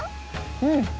うん！